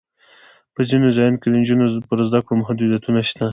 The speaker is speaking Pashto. په ځینو ځایونو کې د نجونو پر زده کړو محدودیتونه شته.